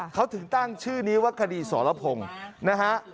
เขาถึงตั้งชื่อนี้ว่าคดีสรพงศ์นะฮะ